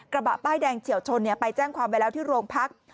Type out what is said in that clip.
กระบะป้ายแดงเฉียวชนไปแจ้งความไว้แล้วที่โรงพัก